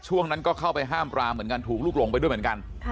ช่วงนั้นก็เข้าไปห้ามปรามเหมือนกันถูกลูกหลงไปด้วยเหมือนกัน